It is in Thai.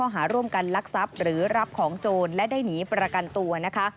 หรือรับของโจรและได้หนีประกันตัว